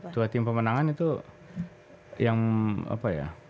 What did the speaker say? dua tim pemenangan itu yang apa ya